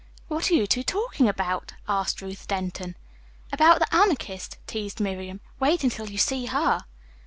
"What are you two talking about?" asked Ruth Denton. "About the Anarchist," teased Miriam. "Wait until you see her."